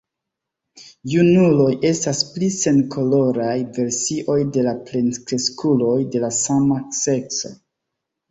Junuloj estas pli senkoloraj versioj de la plenkreskuloj de la sama sekso.